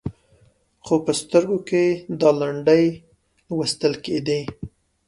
خو په سترګو کې یې دا لنډۍ لوستل کېدې.